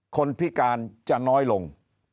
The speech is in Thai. คนพิการจะน้อยลง